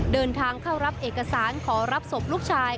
เดินทางเข้ารับเอกสารขอรับศพลูกชาย